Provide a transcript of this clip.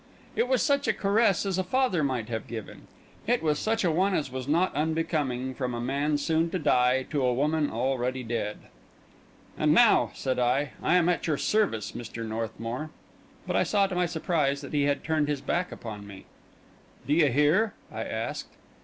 It was such a caress as a father might have given; it was such a one as was not unbecoming from a man soon to die to a woman already dead. "And now," said I, "I am at your service, Mr. Northmour." But I saw, to my surprise, that he had turned his back upon me. "Do you hear?" I asked.